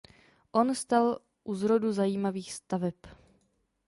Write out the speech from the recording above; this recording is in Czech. On stal u zrodu zajímavých staveb.